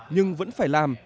nhưng vẫn phải làm